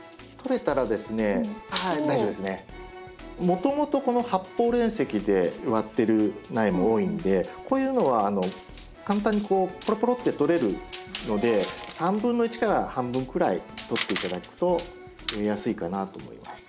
もともとこの発泡煉石で植わってる苗も多いのでこういうのは簡単にポロポロって取れるので1/3から半分くらい取って頂くと植えやすいかなと思います。